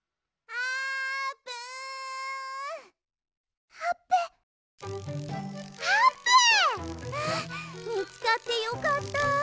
ああみつかってよかった！